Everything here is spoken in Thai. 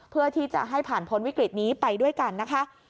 เพื่อที่จะให้ผ่านพ้นวิกฤตนี้ไปด้วยกันนะคะ